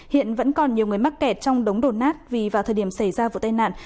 hiện vẫn còn nhiều người mắc kẹt trong đống đổ nát vì vào thời điểm xảy ra vụ tai nạn